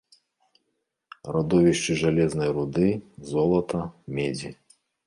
Радовішчы жалезнай руды, золата, медзі.